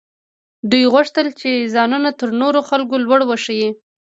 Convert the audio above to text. دوی غوښتل چې ځانونه تر نورو خلکو لوړ وښيي.